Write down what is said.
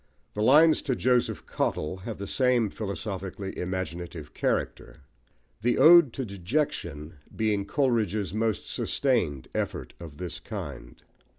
The Lines to Joseph Cottle have the same philosophically imaginative character; the Ode to Dejection being Coleridge's most sustained effort of this kind.